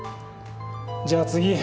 じゃあ次。